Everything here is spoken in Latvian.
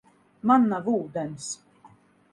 Man nav ūdens.